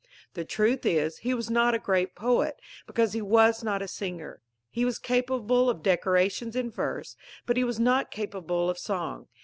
The truth is, he was not a great poet, because he was not a singer. He was capable of decorations in verse, but he was not capable of song.